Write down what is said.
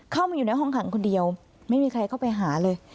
เข้ามาอยู่ในห้องขังคนเดียวไม่มีใครเข้าไปหาเลย